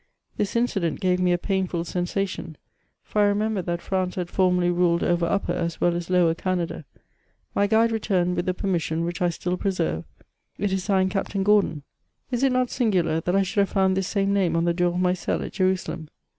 This incident gave me a painful sensation, for I re membered that France had formerly ruled over Upper as well as Lower Canada. My g^de returned with the permission, which I still preserve ; it is signed " Captain Gordon." Is it not sin gtdar that I should have found this same name on the door of my cell at Jerusalem